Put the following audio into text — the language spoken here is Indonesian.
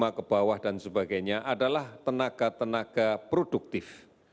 api pada kelompok empat puluh lima ke bawah dan sebagainya adalah tenaga tenaga produktif